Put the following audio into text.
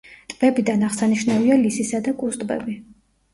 ტბებიდან აღსანიშნავია ლისისა და კუს ტბები.